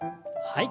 はい。